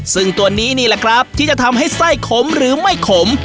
ซึ่งตัวนี้นี่แหละครับที่จะทำให้ไส้ขมหรือไม่ขม